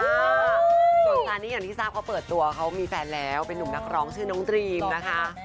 ส่วนซานิอย่างที่ทราบเขาเปิดตัวเขามีแฟนแล้วเป็นนุ่มนักร้องชื่อน้องดรีมนะคะ